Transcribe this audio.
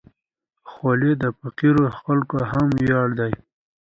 خولۍ د فقیرو خلکو هم ویاړ ده.